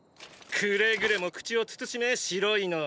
くれぐれも口を慎め白いの！